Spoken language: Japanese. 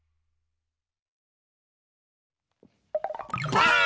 ばあっ！